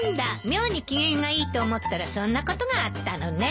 妙に機嫌がいいと思ったらそんなことがあったのね。